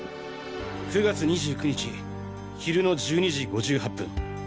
９月２９日昼の１２時５８分